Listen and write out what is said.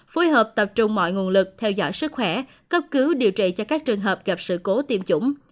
phối hợp tập trung mọi nguồn lực theo dõi sức khỏe cấp cứu điều trị cho các trường hợp gặp sự cố tiêm chủng